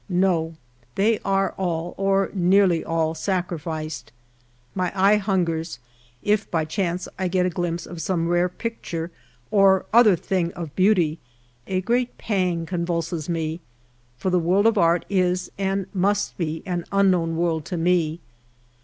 No, they are all, or nearly all, sacriiiced. My eye hungers : if by chance I get a glimpse of some rare picture, or other " thing of beauty," a great pan^j convulses me ; for the world of art is and must be an unknown world to me.